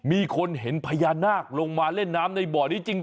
มีคนเห็นพญานาคลงมาเล่นน้ำในบ่อนี้จริง